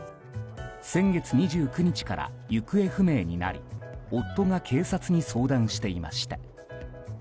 先月２９日から行方不明になり夫が警察に相談していました。